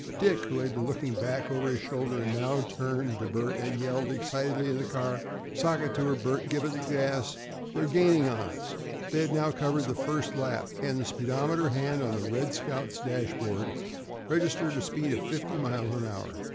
Dick, who had been looking back over his shoulder, now turned to Bert and yelled excitedly in his ear, "Sock it to her, Bert! Give her the gas! They're gaining on us!" They had now covered the first lap, and the speedometer hand on the "Red Scout's" dashboard registered a speed of fifty miles an hour.